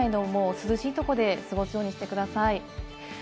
室内の涼しいところで過ごすようにしてください。